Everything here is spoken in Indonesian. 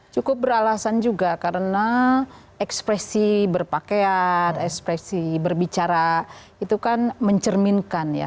cukup beralasan juga karena ekspresi berpakaian ekspresi berbicara itu kan mencerminkan ya